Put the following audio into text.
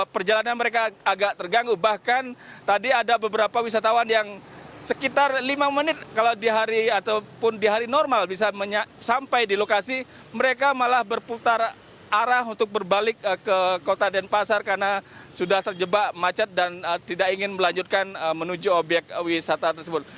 perjalanan mereka agak terganggu bahkan tadi ada beberapa wisatawan yang sekitar lima menit kalau di hari atau pun di hari normal bisa sampai di lokasi mereka malah berputar arah untuk berbalik ke kota dan pasar karena sudah terjebak macet dan tidak ingin melanjutkan menuju objek wisata tersebut